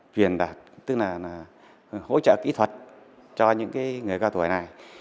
truyền đạt tức là hỗ trợ kỹ thuật cho những người cao tuổi này